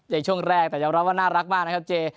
ในช่วงแรกแต่ยอมรับว่าน่ารักมากนะครับเจ